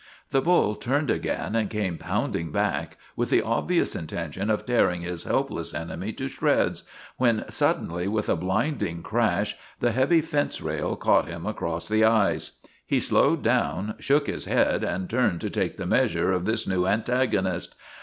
The bull turned again and came pounding back with the obvious intention of tearing his helpless enemy to shreds, when suddenly, with a blinding crash, the heavy fence rail caught him across the eyes. He slowed down, shook his head, and turned to take the measure of this new antagonist.